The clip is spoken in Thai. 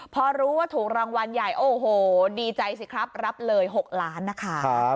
พอรู้ว่าถูกรางวัลใหญ่โอ้โหดีใจสิครับรับเลย๖ล้านนะคะ